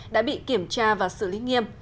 đã bị kiểm tra và xử lý nghiêm